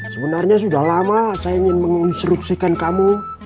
sebenarnya sudah lama saya ingin menginstruksikan kamu